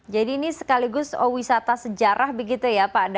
jadi ini sekaligus wisata sejarah begitu ya pak daud ya